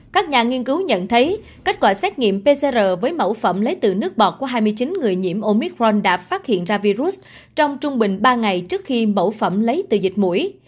các nhà nghiên cứu nhận thấy kết quả xét nghiệm pcr với mẫu phẩm lấy từ nước bọt của hai mươi chín người nhiễm omicron đã phát hiện ra virus trong trung bình ba ngày trước khi mẫu phẩm lấy từ dịch mũi